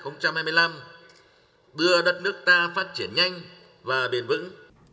năm hai nghìn hai mươi một hai nghìn hai mươi năm đưa đất nước ta phát triển nhanh và bền vững